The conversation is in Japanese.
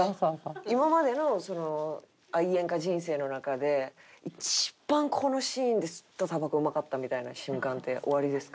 今までの愛煙家人生の中で一番このシーンで吸ったタバコうまかったみたいな瞬間っておありですか？